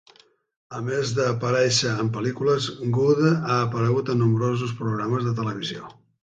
A més d'aparèixer en pel·lícules, Goode ha aparegut en nombrosos programes de televisió.